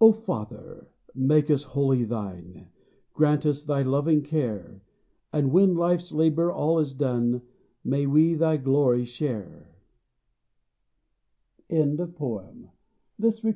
O Father ! make us wholly Thine, Grant us Thy loving care. And when life's labor all is done, May we Thy glory share I 68 A VISION.